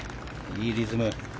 いいリズム。